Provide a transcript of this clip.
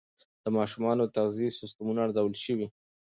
د ماشومانو د تغذیې سیستمونه ارزول شوي.